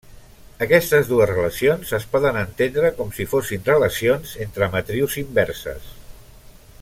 Aquestes dues relacions es poden entendre com si fossin relacions entre matrius inverses.